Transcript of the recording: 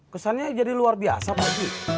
kesannya jadi luar biasa pak haji